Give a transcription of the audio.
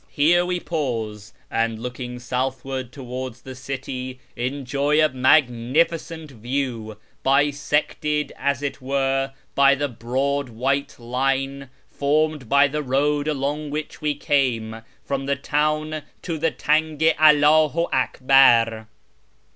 Here we pause, and, looking southward towards the city, enjoy a magnificent view, bisected, as it w^ere, by the broad white line formed by the road along which we came from the town to the Tawj i Alldhu Alcbar.